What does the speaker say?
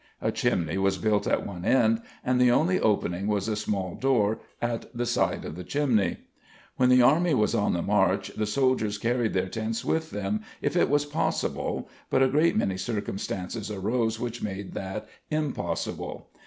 A chimney was built at one end and the only opening was a small door at the side of the chimney. When the army was on the march the soldiers carried their tents with them if it was possible but a great many circumstances arose which made that impossible.